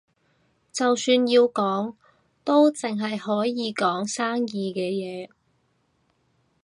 就算要講，都淨係可以講生意嘅嘢